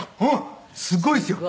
すごいですよ